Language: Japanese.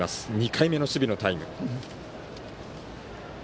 ２回目の守備のタイム。